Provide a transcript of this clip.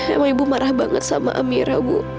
emang ibu marah banget sama amira bu